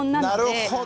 なるほど。